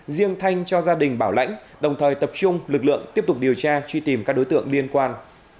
riêng thanh cho gia đình bảo lãnh đồng thời tập trung lực lượng tiếp tục điều tra truy tìm các đối tượng liên quan